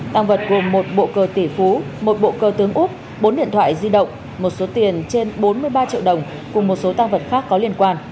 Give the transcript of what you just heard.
tăng vật gồm một bộ cờ tỷ phú một bộ cơ tướng úc bốn điện thoại di động một số tiền trên bốn mươi ba triệu đồng cùng một số tăng vật khác có liên quan